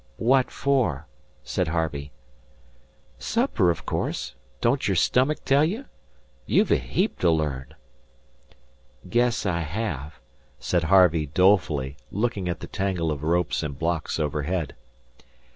"What for?" said Harvey. "Supper, o' course. Don't your stummick tell you? You've a heap to learn." "Guess I have," said Harvey, dolefully, looking at the tangle of ropes and blocks overhead.